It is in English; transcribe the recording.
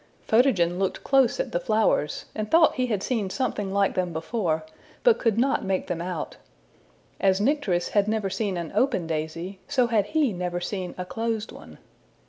'' Photogen looked close at the flowers, and thought he had seen something like them before, but could not make them out. As Nycteris had never seen an open daisy, so had he never seen a closed one.